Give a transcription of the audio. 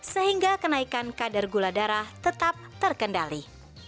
sehingga kenaikan kadar gula darah tetap terkendali